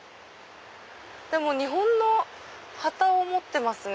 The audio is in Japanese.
でも日本の旗を持ってますね。